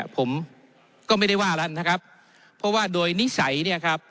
ผมก็ไม่ได้ว่าแล้วนะครับเพราะว่าโดยนิสัย